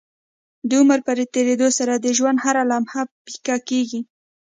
د عمر په تيريدو سره د ژوند هره لمحه پيکه کيږي